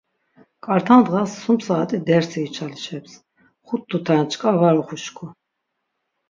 K̆arta ndğas sum saat̆i dersi içalişeps, xut tuta ren çkar var oxuşku.